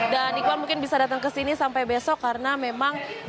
dan ikbal mungkin bisa datang kesini sampai besok karena memang